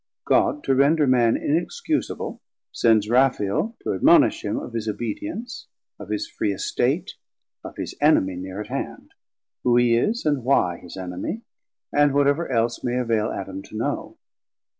God to render Man inexcusable sends Raphael to admonish him of his obedience, of his free estate, of his enemy near at hand; who he is, and why his enemy, and whatever else may avail Adam to know.